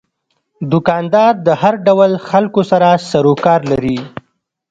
دوکاندار د هر ډول خلکو سره سروکار لري.